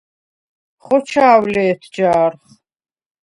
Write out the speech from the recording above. ხოჩა̄ვ ლე̄თ ჯა̄რხ!